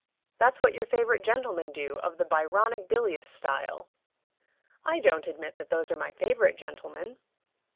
That's what your favorite gentlemen do, of the Byronic bilious style." "I don't admit that those are my favorite gentlemen."